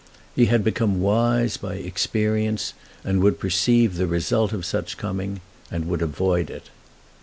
He had become wise by experience, and would perceive the result of such coming, and would avoid it.